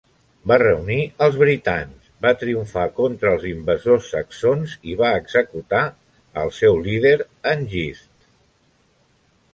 Va reunir els britans, va triomfar contra els invasors saxons i va executar el seu líder, Hengist.